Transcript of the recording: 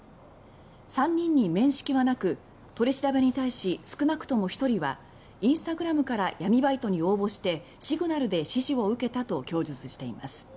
３人に面識はなく取り調べに対し少なくとも１人は「インスタグラムから闇バイトに応募してシグナルで指示を受けた」と供述しています。